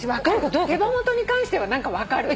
手羽元に関しては何か分かる。